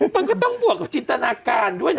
มันก็ต้องบวกกับจินตนาการด้วยนะ